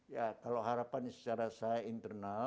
ya kalau harapannya secara saya internal